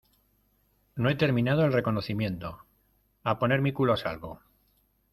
no he terminado el reconocimiento. a poner mi culo a salvo .